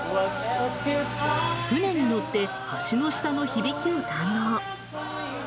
船に乗って橋の下の響きを堪能。